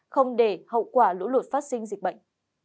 không để hậu quả lũ lụt phát sinh dịch bệnh